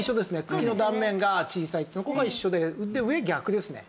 茎の断面が小さいってとこが一緒で上逆ですね。